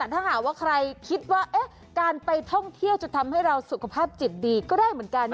ถ้าหากว่าใครคิดว่าการไปท่องเที่ยวจะทำให้เราสุขภาพจิตดีก็ได้เหมือนกัน